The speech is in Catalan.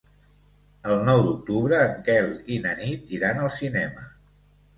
El nou d'octubre en Quel i na Nit iran al cinema.